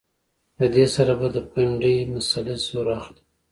د دې سره به د پنډۍ مسلز زور اخلي